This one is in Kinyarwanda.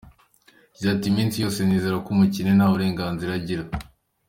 Yagize ati “Iminsi yose nizera ko umukene nta burenganzira agira.